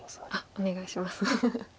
お願いします。